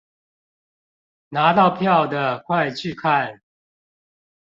拿到票的快去看